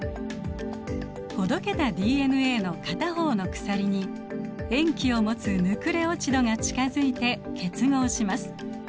ほどけたＤＮＡの片方の鎖に塩基を持つヌクレオチドが近づいて結合します。